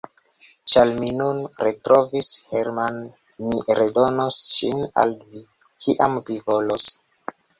Ĉar mi nun retrovis Hermann, mi redonos ŝin al vi, kiam vi volos.